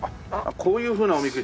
こういうふうなおみくじ。